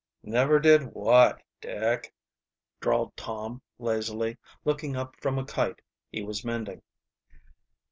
"Never what, Dick?" drawled Tom lazily, looking up from a kite he was mending.